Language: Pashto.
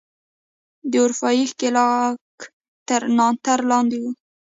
د اروپايي ښکېلاک تر ناتار لاندې وو.